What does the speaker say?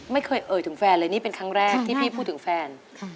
ไม่เคยเอ่ยถึงแฟนเลยนี่เป็นครั้งแรกที่พี่พูดถึงแฟน